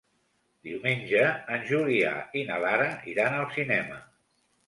Diumenge en Julià i na Lara iran al cinema.